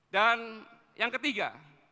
dan yang ketiga